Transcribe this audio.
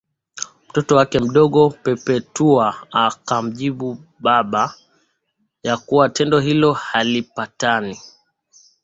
mtoto wake mdogo Perpetua akamjibu baba ya kuwa tendo hilo halipatani